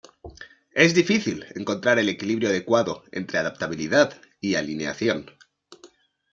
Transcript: Es difícil encontrar el equilibrio adecuado entre adaptabilidad y alineación.